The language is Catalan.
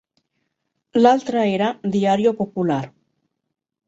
L'altre era "Diário Popular".